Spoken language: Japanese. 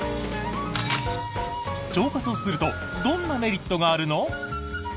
腸活をするとどんなメリットがあるの？